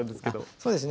そうですね